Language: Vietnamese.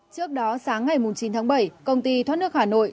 trước đó sáng ngày chín tháng bảy công ty thoát nước hà nội